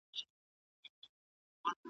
د جرس په غزلو درپسې ژاړم